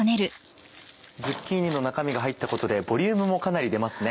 ズッキーニの中身が入ったことでボリュームもかなり出ますね。